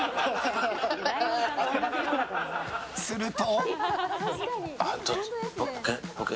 すると。